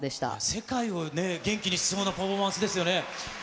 世界をね、元気にしそうなパフォーマンスですよね。